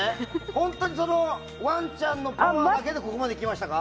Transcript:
本当にワンちゃんのパワーだけでここまで開きましたか？